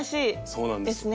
そうなんですよ。